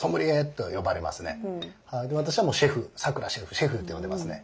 私はシェフさくらシェフシェフって呼んでますね。